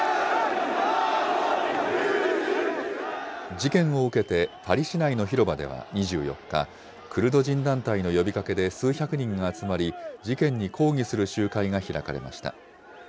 事件を受けて、パリ市内の広場では２４日、クルド人団体の呼びかけで数百人が集まり、事件に抗議する集会が開かれました。